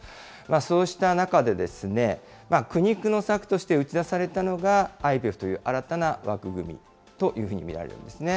そうした中で、苦肉の策として打ち出されたのが、ＩＰＥＦという新たな枠組みというふうに見られるんですね。